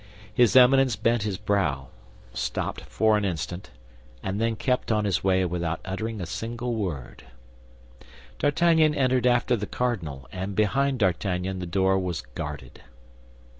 His Eminence bent his brow, stopped for an instant, and then kept on his way without uttering a single word. D'Artagnan entered after the cardinal, and behind D'Artagnan the door was guarded.